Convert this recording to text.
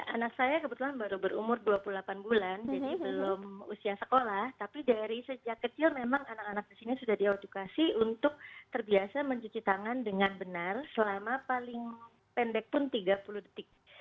anak saya kebetulan baru berumur dua puluh delapan bulan jadi belum usia sekolah tapi dari sejak kecil memang anak anak di sini sudah diadukasi untuk terbiasa mencuci tangan dengan benar selama paling pendek pun tiga puluh detik